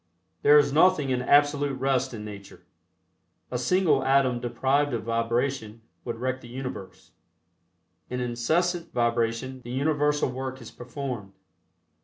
There is nothing in absolute rest in nature. A single atom deprived of vibration would wreck the universe. In incessant vibration the universal work is performed.